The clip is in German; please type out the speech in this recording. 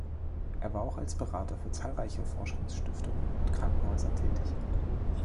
Er war auch als Berater für zahlreiche Forschungsstiftungen und Krankenhäuser tätig.